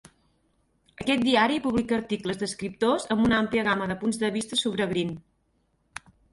Aquest diari publica articles d"escriptors amb una àmplia gama de punts de vista sobre Green.